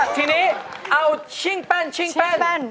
ทีนี้เอาชิ่งแป้นชิงแป้น